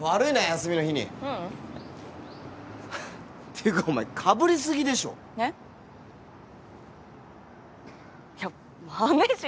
いや。